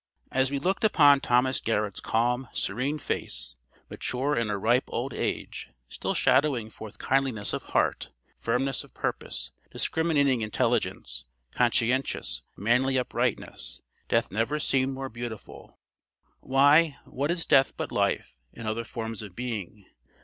As we looked upon Thomas Garrett's calm, serene face, mature in a ripe old age, still shadowing forth kindliness of heart, firmness of purpose, discriminating intelligence, conscientious, manly uprightness, death never seemed more beautiful: "Why, what is Death but Life In other forms of being?